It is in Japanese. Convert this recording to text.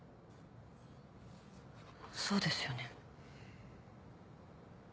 そうですよね。